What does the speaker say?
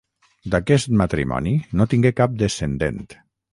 D'aquest matrimoni no tingué cap descendent.